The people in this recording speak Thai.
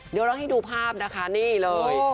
เดี๋ยวเราให้ดูภาพนะคะนี่เลย